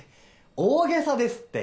大げさですって。